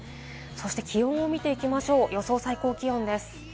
気温を見ていきましょう、予想最高気温です。